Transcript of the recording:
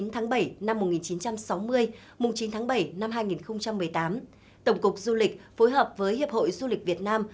một mươi tháng bảy năm một nghìn chín trăm sáu mươi chín tháng bảy năm hai nghìn một mươi tám tổng cục du lịch phối hợp với hiệp hội du lịch việt nam